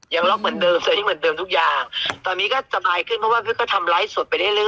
ล็อกเหมือนเดิมแสดงเหมือนเดิมทุกอย่างตอนนี้ก็สบายขึ้นเพราะว่าพี่ก็ทำไลฟ์สดไปเรื่อย